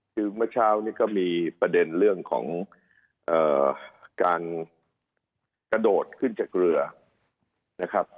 คือเมื่อเช้านี้ก็มีประเด็นเรื่องของการกระโดดขึ้นจากเรือนะครับ